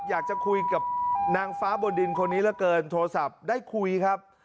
อยากจะคุยกับนางฟ้าบนดินคนนี้เหลือเกินโทรศัพท์ได้คุยครับ